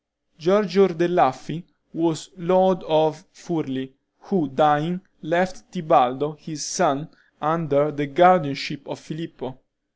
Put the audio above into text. Giorgio Ordelaffi was lord of Furli, who dying, left Tibaldo, his son, under the guardianship of Filippo.